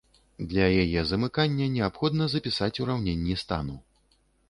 Для яе замыкання неабходна запісаць ураўненні стану.